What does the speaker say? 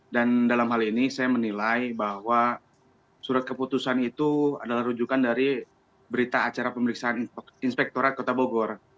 dalam hal ini saya menilai bahwa surat keputusan itu adalah rujukan dari berita acara pemeriksaan inspektorat kota bogor